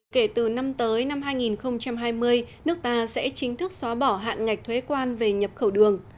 kể từ năm tới năm hai nghìn hai mươi nước ta sẽ chính thức xóa bỏ hạn ngạch thuế quan về nhập khẩu đường